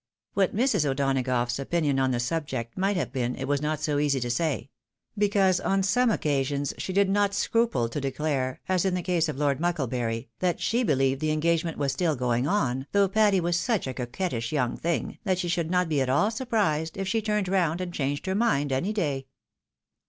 What Mrs. O'Donagough's opinion on the subject might have been, it was not so easy to say ; because on some occasions she did not scruple to declare (as in the case of Lord Mucklebury), that she beheved the engagement was stiU going on, though Patty was such a coquettish young thing that she should not be at all sur prised if she turned round and changed her mind any day.